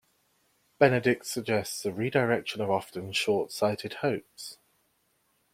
Benedict suggests a redirection of often short-sighted hopes.